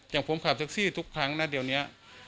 อย่างผมขับแท็กซี่ทุกครั้งนะเดี๋ยวนี้